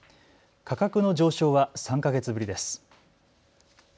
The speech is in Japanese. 価格の上昇は３か月ぶりです。